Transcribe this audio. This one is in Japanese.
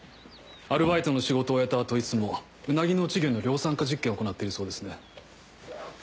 アルバイトの仕事を終えた後いつもウナギの稚魚の量産化実験を行っているそうですね。